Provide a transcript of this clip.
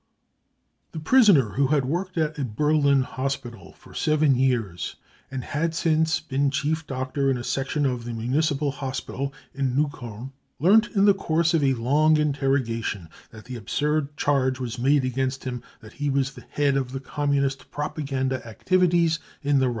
The prisoner, who had worked at a Berlin hospital for seven years, and had since been chief doctor in a section of the Municipal Hospital in Neukolln, learnt in the course of a long interrogation that the absurd charge was made against him that he was the head of the Communist propa ganda activities in the Reich.